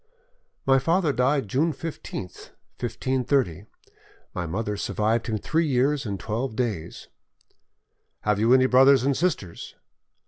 "My father died June 15th, 1530; my mother survived him three years and twelve days." "Have you any brothers and sisters?"